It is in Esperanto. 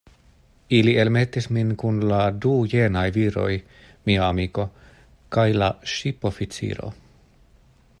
Ili elmetis min kun la du jenaj viroj, mia amiko, kaj la ŝipoficiro.